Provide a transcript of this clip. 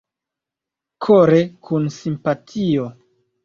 Kore, kun simpatio!